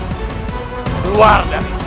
keluar dari sini